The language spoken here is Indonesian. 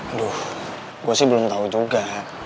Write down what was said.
aduh gue sih belum tahu juga